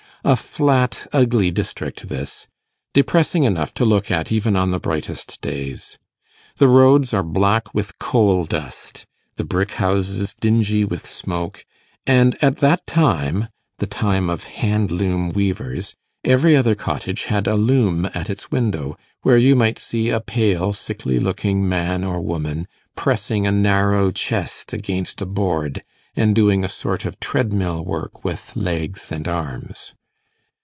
A flat ugly district this; depressing enough to look at even on the brightest days. The roads are black with coal dust, the brick houses dingy with smoke; and at that time the time of handloom weavers every other cottage had a loom at its window, where you might see a pale, sickly looking man or woman pressing a narrow chest against a board, and doing a sort of treadmill work with legs and arms.